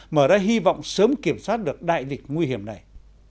mở ra hy vọng sớm kiểm soát được đại dịch nguy hiểm này